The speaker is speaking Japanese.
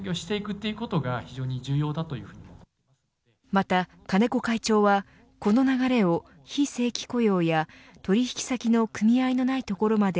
また金子会長はこの流れを、非正規雇用や取引先の組合のないところまで